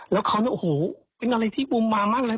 แล้วเค้ามองรู้นึงเป็นอะไรที่ปูปุ้มมามากเลย